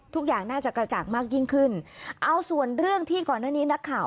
ทุกอย่างน่าจะกระจ่างมากยิ่งขึ้นเอาส่วนเรื่องที่ก่อนหน้านี้นักข่าว